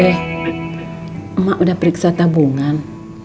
eh emak udah periksa tabungan